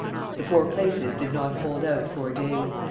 The four places did not hold out four days.